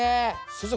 先生